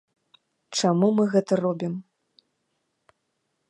Чаму мы гэта робім?